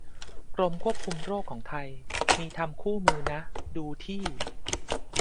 กรมควบคุมโรคของไทย มีทำคู่มือนะ ดูที่